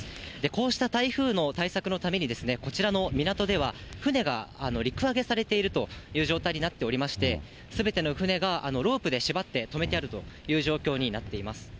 こうした台風の対策のために、こちらの港では、船が陸揚げされているという状態になっておりまして、すべての船がロープで縛って留めてあるという状況になっています。